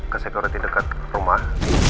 ke sekuriti dekat rumah